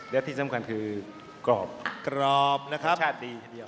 และที่สำคัญคือกรอบกรอบนะครับรสชาติดีทีเดียว